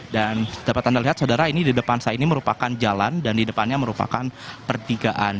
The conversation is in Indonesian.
dan dapat anda lihat saudara ini di depan saya ini merupakan jalan dan di depannya merupakan pertigaan